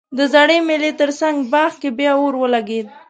د زړې مېلې ترڅنګ باغ کې بیا اور ولګیده